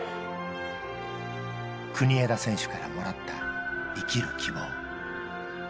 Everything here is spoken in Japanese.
国枝選手からもらった生きる希望。